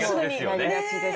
なりがちです。